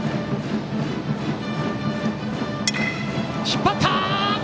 引っ張った！